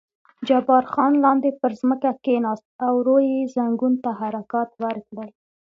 جبار خان لاندې پر ځمکه کېناست او ورو یې زنګون ته حرکات ورکړل.